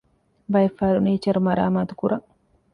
ބައެއް ފަރުނީޗަރު މަރާމާތު ކުރަން